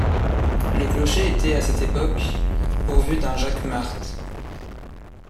Le clocher était à cette époque pourvu d'un jacquemart.